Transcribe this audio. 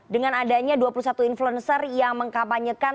dengan adanya dua puluh satu influencer yang mengkapanyekan